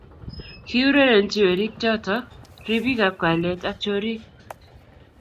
Kiurerenji werik chotok ribik ab kalyet ak chorik